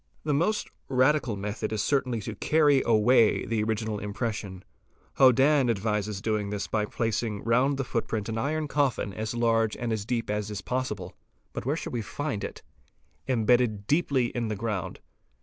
The most radical method is certainly to carry away the original im pression. Hodann®™ advises doing this by placing round the footprint an iron coffin as large and as deep as possible, (but where shall we find it ?), embedded deeply in the ground.